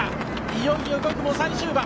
いよいよ５区も最終盤。